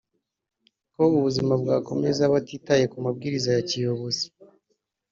ko ubuzima bwakomeza batitaye ku mabwiriza ya kiyobozi